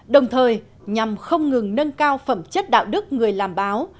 đồng thời nhằm không ngừng nâng cao phẩm chất đạo đức người làm báo